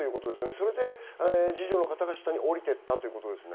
それで二女の方が下に下りていったということですね。